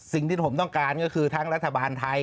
สิ่งที่ผมต้องการก็คือทั้งรัฐบาลไทย